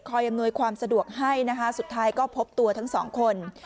อำนวยความสะดวกให้นะคะสุดท้ายก็พบตัวทั้งสองคน